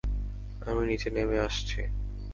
আমি নিচে নেমে আসছি!